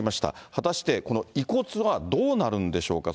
果たしてこの遺骨はどうなるんでしょうか。